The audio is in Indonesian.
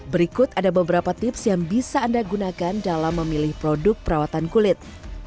berikut ada beberapa tips yang bisa anda gunakan dalam memilih produk perawatan kulit